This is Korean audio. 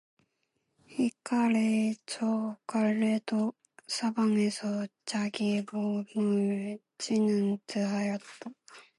이 갈래 저 갈래로 사방에서 자기 몸을 찢는 듯 하였다.